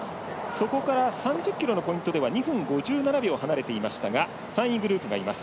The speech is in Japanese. そこから３０ｋｍのポイントでは２分５７秒離れていましたが３位グループがいます。